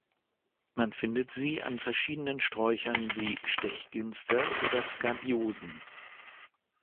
Man findet sie an verschiedenen Sträuchern wie Stechginster oder Skabiosen.